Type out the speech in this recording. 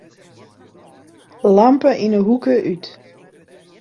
Lampe yn 'e hoeke út.